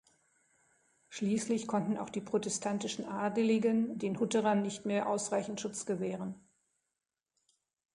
Schließlich konnten auch die protestantischen Adeligen den Hutterern nicht mehr ausreichend Schutz gewähren.